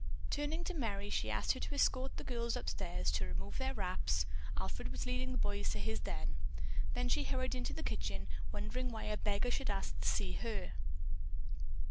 Turning to Merry, she asked her to escort the girls upstairs to remove their wraps (Alfred was leading the boys to his den), then she hurried into the kitchen wondering why a beggar should ask to see her.